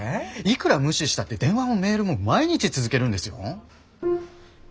いくら無視したって電話もメールも毎日続けるんですよ？